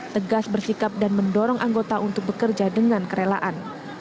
tegas bersikap dan mendorong anggota untuk bekerja dengan kerelaan